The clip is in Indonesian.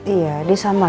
iya dia sama lagi papanya